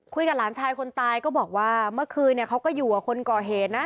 หลานชายคนตายก็บอกว่าเมื่อคืนเนี่ยเขาก็อยู่กับคนก่อเหตุนะ